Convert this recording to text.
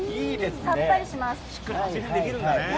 さっぱりしますね。